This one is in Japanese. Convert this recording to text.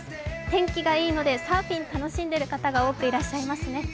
天気がいいのでサーフィン楽しんでいる方が多くいらっしゃいますね。